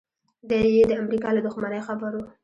دی یې د امریکا له دښمنۍ خبر و